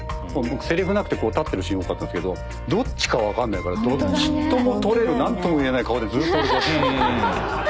僕セリフなくて立ってるシーン多かったんですけどどっちかわかんないからどっちともとれるなんともいえない顔でずっと俺こうやって。